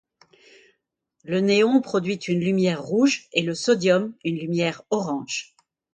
Le néon produit une lumière rouge, et le sodium une lumière orange.